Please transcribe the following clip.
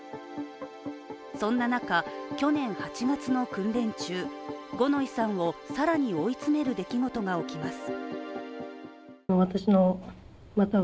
そんな中、去年８月の訓練中、五ノ井さんを更に追い詰める出来事が起きます。